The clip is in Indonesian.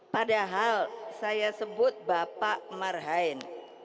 padahal saya sebut bapak marhain